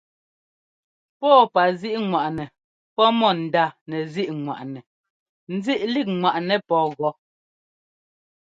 Pɔ́ɔpazíꞌŋwaꞌnɛ pɔ́ mɔ ndánɛzíꞌŋwaꞌnɛ nzíꞌlíkŋwaꞌnɛ pɔ́ gɔ́.